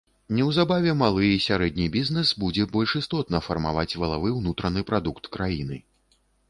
Неўзабаве малы і сярэдні бізнэс будзе больш істотна фармаваць валавы ўнутраны прадукт краіны.